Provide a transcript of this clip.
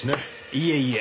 いえいえ。